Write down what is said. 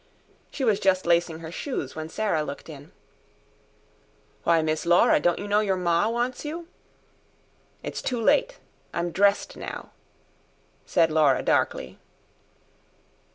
She was just lacing her shoes when Sarah looked in. "Why, Miss Laura, don't you know your ma wants you?" "It's too late. I'm dressed now," said Laura darkly.